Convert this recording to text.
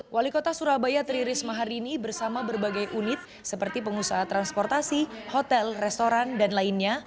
wali kota surabaya teriris maharini bersama berbagai unit seperti pengusaha transportasi hotel restoran dan lainnya